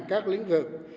các lĩnh vực